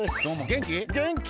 げんきよ。